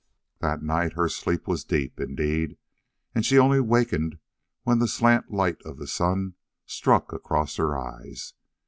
That night her sleep was deep, indeed, and she only wakened when the slant light of the sun struck across her eyes.